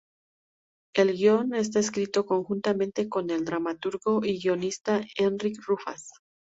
El guion está escrito conjuntamente con el dramaturgo y guionista Enric Rufas.